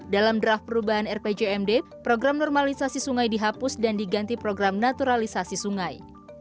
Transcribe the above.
dalam draft perubahan rpjmd program normalisasi sungai dihapus dan diganti program naturalisasi sungai